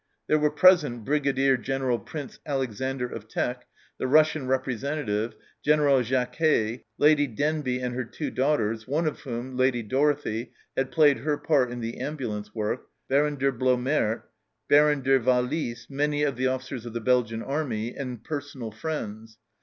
There were present Brigadier General Prince Alexander of Teck, the Russian representative, General Jacquez, Lady Denbigh and her two daughters, one of whom Lady Dorothie had played her part in the ambulance work, Baron de Bleaumaerts, Baron de Wahliss, many of the officers of the Belgian Army, and personal friends.